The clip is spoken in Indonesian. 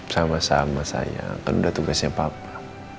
sama sama sayang kan udah tugasnya papa